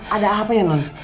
ada apa ya non